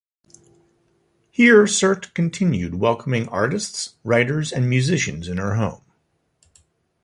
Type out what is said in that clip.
Here Sert continued welcoming artists, writers, and musicians in her home.